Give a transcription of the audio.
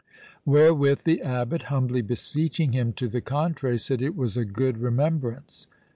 Wherewith the abbot, humbly beseeching him to the contrary, said 'It was a good remembrance!'